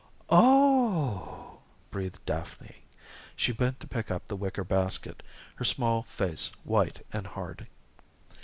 "Oh h!" breathed Daphne. She bent to pick up the wicker basket, her small face white and hard.